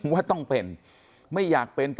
ว่าต้องเป็นไม่อยากเป็น